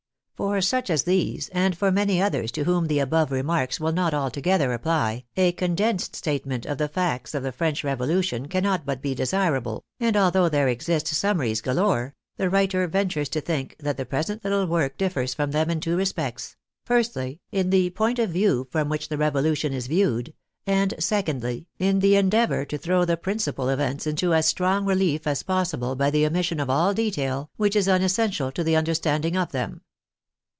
For such as these, and for many others to whom the above remarks will not altogether apply, a condensed Vi AUTHOR'S PREFACE statement of the facts of the French Revolution cannot but be desirable, and although there exist summaries galore, the writer ventures to think that the present little work differs from them in two respects : firstly, in the point of view from which the Revolution is viewed, and secondly, in the endeavor to throw the principal events into as strong relie"^ as possible by the omission of all detail which is unessential to the understanding of them.